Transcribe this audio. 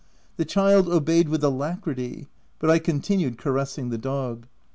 The child obeyed with alacrity ; but I continued caressing the dog.